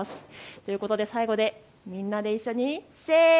ということで最後みんなで一緒に。